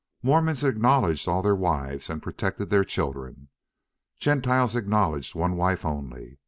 Mormons acknowledged all their wives and protected their children; Gentiles acknowledged one wife only.